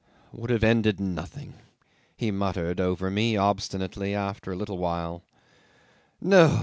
'"... Would have ended nothing," he muttered over me obstinately, after a little while. "No!